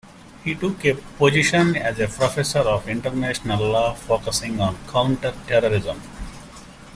He took a position as a professor of International Law, focusing on counter-terrorism.